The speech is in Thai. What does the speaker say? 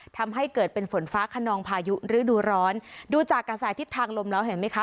ทำให้เกิดเป็นฝนฟ้าขนองพายุฤดูร้อนดูจากกระแสทิศทางลมแล้วเห็นไหมคะ